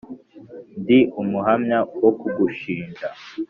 ndi umuhamya wo kugushinja